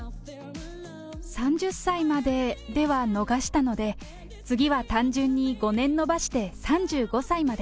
３０歳まででは逃したので、次は単純に５年延ばして３５歳まで。